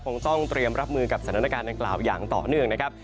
คงต้องเตรียมรับมือกับสถานการณ์ดังกล่าวอย่างต่อเนื่องนะครับ